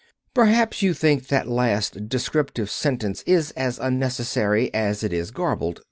(Perhaps you think that last descriptive sentence is as unnecessary as it is garbled.